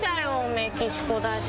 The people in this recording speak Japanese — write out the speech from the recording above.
メキシコだし。